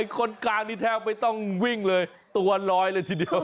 คนกลางนี่แทบไม่ต้องวิ่งเลยตัวลอยเลยทีเดียว